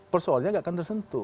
persoalannya tidak akan tersentuh